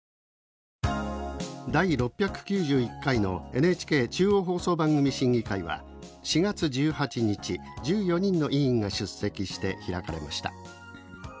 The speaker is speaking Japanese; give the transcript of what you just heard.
第６９１回のＮＨＫ中央放送番組審議会は４月１８日、１４人の委員が出席して開かれました。